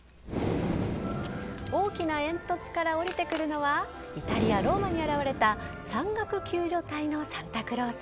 大きな煙突から降りてくるのはイタリア・ローマに現れた山岳救助隊のサンタクロース。